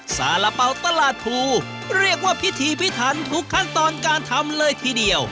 สาระเป๋าตลาดทูเรียกว่าพิธีพิถันทุกขั้นตอนการทำเลยทีเดียว